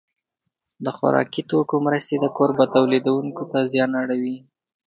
د خوراکي توکو مرستې د کوربه تولیدوونکو ته زیان اړوي.